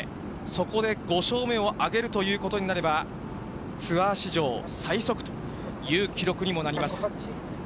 そこで５勝目を挙げるということになれば、ツアー史上最速という記録にもなります。